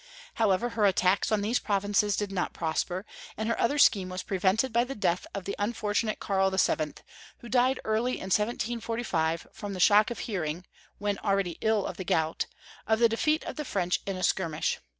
However, her attacks on these provinces did not prosper, and her other scheme was prevented by the death of the unfortunate Karl VII., who died early in 1745 from the shock of hearing, when already ill of the gout, of the defeat of the French in a skirmish.